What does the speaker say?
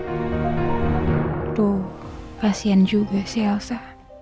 aduh kasian juga sih elsa